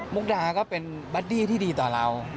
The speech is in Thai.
มุกดาก็เป็นบัดดี้ที่ดีต่อเรา